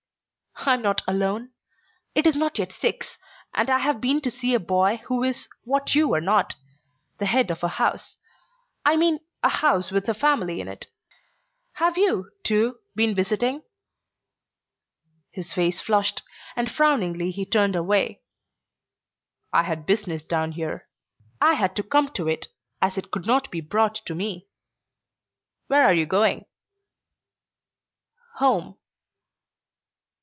"I am not alone. It is not yet six, and I have been to see a boy who is what you are not the head of a house. I mean a house with a family in it. Have you, too, been visiting?" His face flushed, and frowningly he turned away. "I had business down here. I had to come to it as it could not be brought to me. Where are you going?" "Home."